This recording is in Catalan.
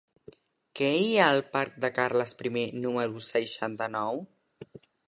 Què hi ha al parc de Carles I número seixanta-nou?